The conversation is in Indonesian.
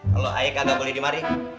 kalau ayah kagak boleh dimari